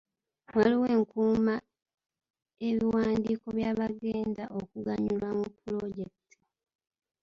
Waliwo enkuuma ebiwandiiko by'aabagenda okuganyulwa mu pulojekiti.